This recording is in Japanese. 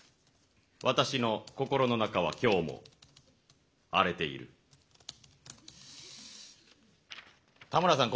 私の心の中は今日も荒れているたむらさん